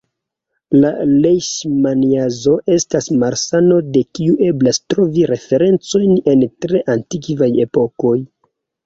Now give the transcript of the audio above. La lejŝmaniazo estas malsano de kiu eblas trovi referencojn en tre antikvaj epokoj.